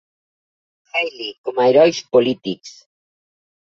Healy com a herois polítics.